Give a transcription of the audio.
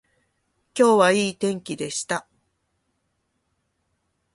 今日はいい天気でした